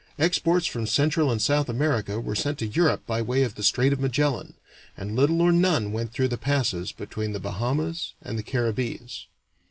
Exports from Central and South America were sent to Europe by way of the Strait of Magellan, and little or none went through the passes between the Bahamas and the Caribbees.